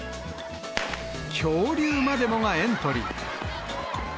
恐竜までもがエントリー。